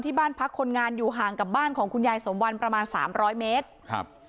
บ้านพักคนงานอยู่ห่างกับบ้านของคุณยายสมวันประมาณสามร้อยเมตรครับ